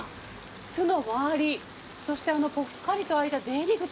巣の周り、そしてぽっかりと開いた出入り口。